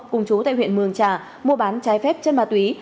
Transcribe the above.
cùng chú tại huyện mường trà mua bán trái phép chân ma túy